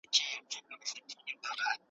واک د سياسي ثبات ضامن کيدای سي.